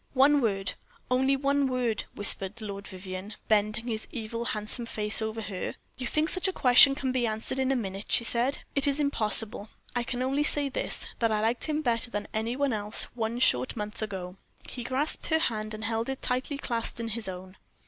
"One word only one word," whispered Lord Vivianne, bending his evil, handsome face over her. "You think such a question can be answered in a minute," she said. "It is impossible. I can only say this, that I liked him better than any one else one short month ago." He grasped her hand and held it tightly clasped in his own.